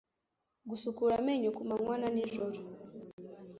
Gusukura amenyo ku manywa na nijoro